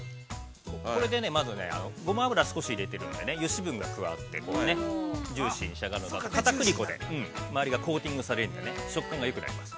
◆これで、まず、ごま油を少し入れているんで、油脂分が加わってジューシーに仕上がるので、片栗粉でまわりがコーティングされるんでね食感がよくなります。